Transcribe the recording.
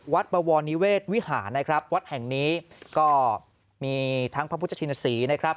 บวรนิเวศวิหารนะครับวัดแห่งนี้ก็มีทั้งพระพุทธชินศรีนะครับ